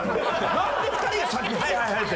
なんで２人が先に「はいはいはい」って。